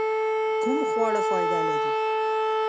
کوم خواړه فائده لري؟